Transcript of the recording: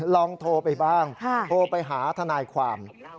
ลองโทรไปบ้างโทรไปหาทนายความ